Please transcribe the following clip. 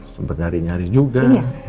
sempet nyari nyari juga